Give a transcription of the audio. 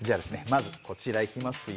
まずこちらいきますよ。